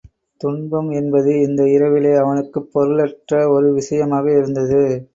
துன்பம் என்பது இந்த இரவிலே அவனுக்குப் பொருளற்ற ஒரு விஷயமாக இருந்தது.